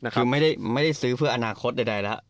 คือไม่ได้ซื้อเพื่ออนาคตใดแล้ว